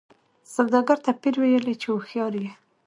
سوداګر ته پیر ویله چي هوښیار یې